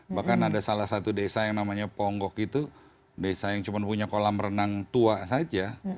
bahkan ada salah satu desa yang namanya ponggok itu desa yang cuma punya kolam renang tua saja